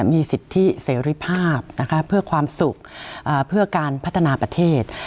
มีสิทธิเสรีภาพนะคะเพื่อความสุขเพื่อการพัฒนาประเทศ